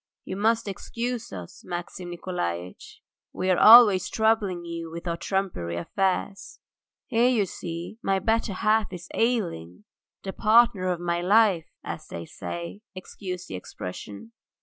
"You must excuse us, Maxim Nikolaitch, we are always troubling you with our trumpery affairs. Here you see my better half is ailing, the partner of my life, as they say, excuse the expression.